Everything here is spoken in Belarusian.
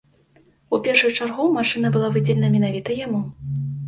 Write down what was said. У першую чаргу машына была выдзелена менавіта яму.